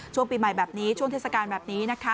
ช่วงปีใหม่แบบนี้ช่วงเทศกาลแบบนี้นะคะ